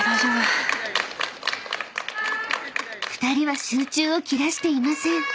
［２人は集中を切らしていません］